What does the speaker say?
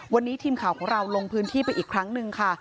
วันนี้ทีมข่าวของเราลงพื้นที่ไปอีกครั้งหนึ่งค่ะ